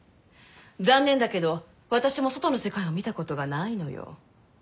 残念だけど私も外の世界を見たことがないのよ。